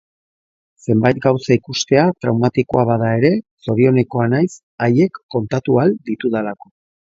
Zenbait gauza ikustea traumatikoa bada ere, zorionekoa naiz haiek kontatu ahal ditudalako.